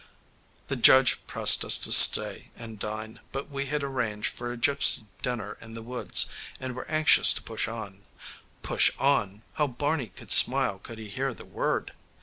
] The judge pressed us to stay and dine, but we had arranged for a gypsy dinner in the woods and were anxious to push on. Push on! How Barney would smile could he hear the word!